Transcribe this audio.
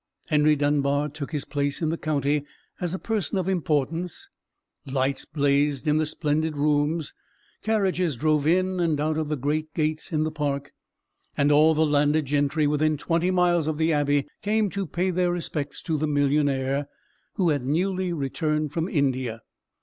Henry Dunbar took his place in the county as a person of importance; lights blazed in the splendid rooms; carriages drove in and out of the great gates in the park, and all the landed gentry within twenty miles of the abbey came to pay their respects to the millionaire who had newly returned from India.